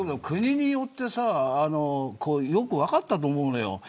国によってさよく分かったと思うのよ。